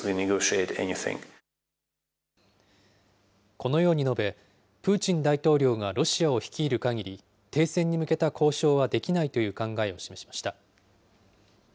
このように述べ、プーチン大統領がロシアを率いるかぎり、停戦に向けた交渉はできないという考えを示しました。